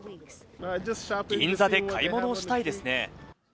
銀座で買い物をしたいですね。